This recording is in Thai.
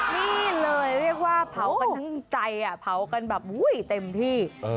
นี่เลยเรียกว่าเผากันทั้งใจเผากันแบบอุ้ยเต็มที่